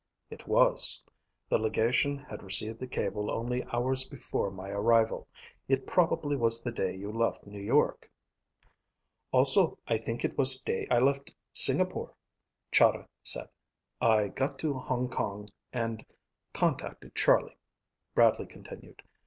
"It was. The legation had received the cable only hours before my arrival. It probably was the day you left New York." "Also I think it was day I left Singapore," Chahda said. "I got to Hong Kong and contacted Charlie," Bradley continued.